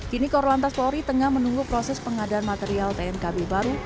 kini korlantas polri tengah menunggu proses pengadaan material tnkb baru